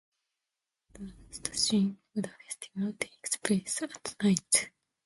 The last scene of the festival takes place at night.